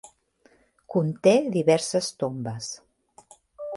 Conté diverses tombes.